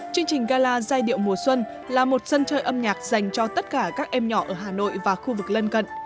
chương trình gala giai điệu mùa xuân là một sân chơi âm nhạc dành cho tất cả các em nhỏ ở hà nội và khu vực lân cận